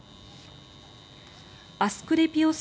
アスクレピオス